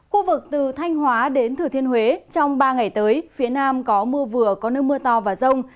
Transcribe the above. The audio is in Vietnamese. khu vực từ thanh hóa đến thừa thiên huế trong ba ngày tới phía nam có mưa vừa có nơi mưa to và rông